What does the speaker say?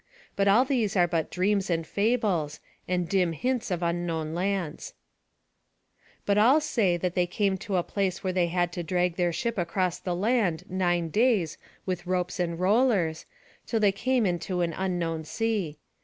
But all these are but dreams and fables, and dim hints of unknown lands. [Footnote A: The Danube.] But all say that they came to a place where they had to drag their ship across the land nine days with ropes and rollers, till they came into an unknown sea.